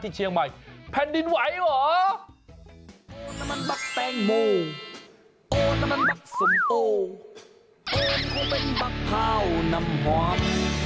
โอ้น้ำมันบักแตงโมโอ้น้ำมันบักสมโตโอ้นี่เขาเป็นบักพร้าวน้ำหอม